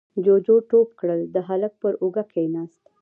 جُوجُو ټوپ کړل، د هلک پر اوږه کېناست: